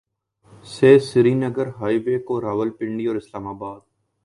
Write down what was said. سے Srinagar highway کو راولپنڈی اور اسلام آباد